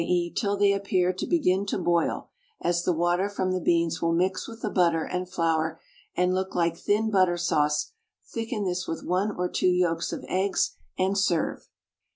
_, till they appear to begin to boil, as the water from the beans will mix with the butter and flour and look like thin butter sauce thicken this with one or two yolks of eggs, and serve.